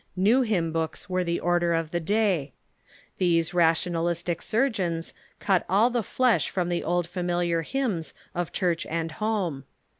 New hymn books were the order of the day. These rationalistic surgeons cut all the flesh from the old familiar hj^mns of church and home.